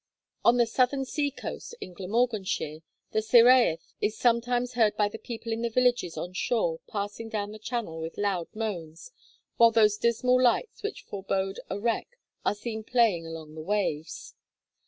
On the southern sea coast, in Glamorganshire, the Cyhyraeth is sometimes heard by the people in the villages on shore passing down the channel with loud moans, while those dismal lights which forebode a wreck are seen playing along the waves.